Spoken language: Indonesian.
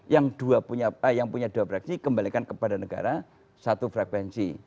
yang punya dua frekuensi kembalikan kepada negara satu frekuensi